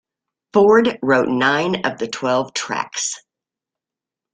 Ford wrote nine of the twelve tracks.